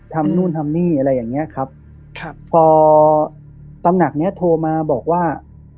นู่นทำนี่อะไรอย่างเงี้ยครับครับพอตำหนักเนี้ยโทรมาบอกว่า